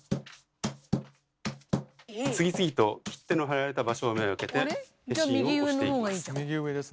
次々と切手の貼られた場所を目がけて消印を押していきます。